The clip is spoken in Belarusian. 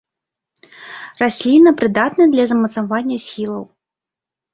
Расліна прыдатная для замацавання схілаў.